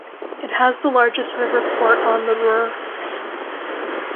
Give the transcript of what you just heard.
It has the largest river port on the Ruhr.